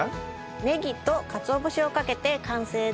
ネギとかつお節をかけて完成です。